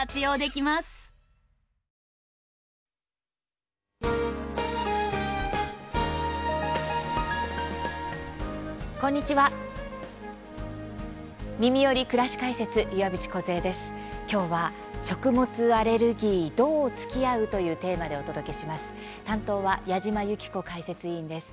きょうは「食物アレルギーどうつきあう？」というテーマでお届けします。